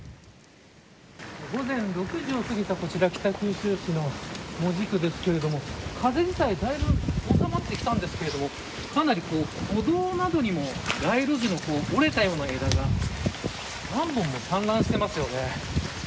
午前６時を過ぎた、こちら北九州市の門司区ですけれども風自体だいぶ収まってきたんですけどかなり歩道などにも街路樹の折れたような枝が何本も散乱していますよね。